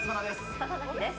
笹崎です。